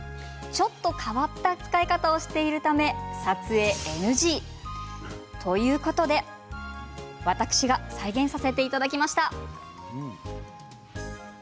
ちょっと変わった使い方をしているために撮影ＮＧ。ということで私が再現させていただきました。